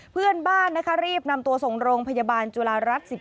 เพื่อนบ้านนะคะรีบนำตัวส่งโรงพยาบาลจุฬารัฐ๑๗